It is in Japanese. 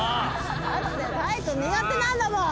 だって体育苦手なんだもん！